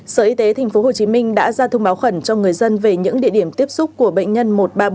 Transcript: sở y tế tp hcm đã ra thông báo khẩn cho người dân về những địa điểm tiếp xúc của bệnh nhân một nghìn ba trăm bốn mươi bảy